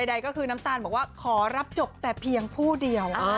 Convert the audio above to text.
ใดก็คือน้ำตาลบอกว่าขอรับจบแต่เพียงผู้เดียว